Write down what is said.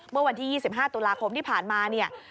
เมื่อวันที่๒๕ตุลาคมที่ผ่านมาเนี่ย